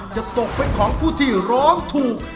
จะตกเป็นของผู้ที่ร้องถูก